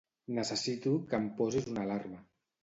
Necessito que em posis una alarma.